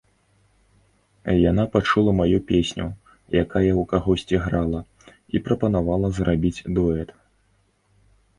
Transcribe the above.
Яна пачула маю песню, якая ў кагосьці грала, і прапанавала зрабіць дуэт.